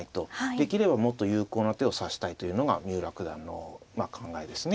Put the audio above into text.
できればもっと有効な手を指したいというのが三浦九段の考えですね。